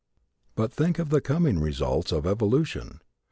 But think of the coming results of evolution!